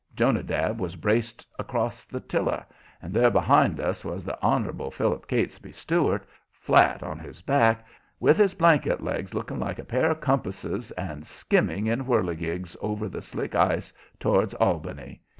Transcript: Jonadab was braced across the tiller, and there, behind us, was the Honorable Philip Catesby Stuart, flat on his back, with his blanket legs looking like a pair of compasses, and skimming in whirligigs over the slick ice towards Albany.